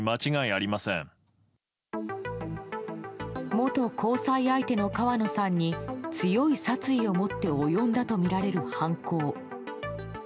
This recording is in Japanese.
元交際相手の川野さんに強い殺意を持って及んだとみられる犯行。